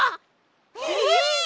えっ！